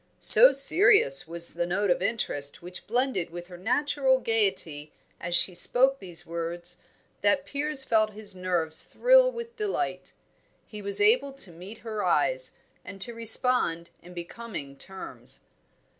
So serious was the note of interest which blended with her natural gaiety as she spoke these words that Piers felt his nerves thrill with delight. He was able to meet her eyes, and to respond in becoming terms.